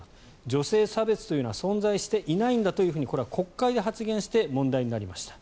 女性差別というのは存在していないんだとこれは国会で発言して問題になりました。